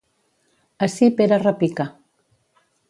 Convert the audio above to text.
Ací Pere repica.